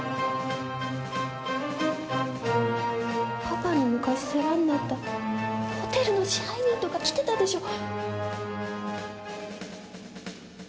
パパに昔世話になったホテルの支配人とか来てたでしょ！